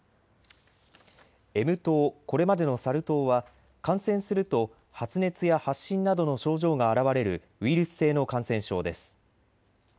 Ｍ痘、これまでのサル痘は感染すると発熱や発疹などの症状があらわれるウイルス性の感染症です。